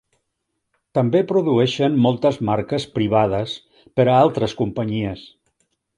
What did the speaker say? També produeixen moltes marques privades per a altres companyies.